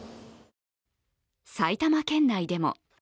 埼玉県内でも。